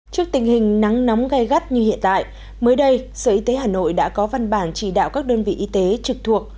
trước tình hình nắng nóng gai gắt như hiện tại mới đây sở y tế hà nội đã có văn bản chỉ đạo các đơn vị y tế trực thuộc